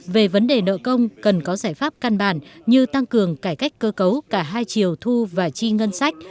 về vấn đề nợ công cần có giải pháp căn bản như tăng cường cải cách cơ cấu cả hai chiều thu và chi ngân sách